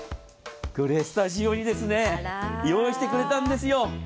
これ、スタジオに用意してくれたんですよ。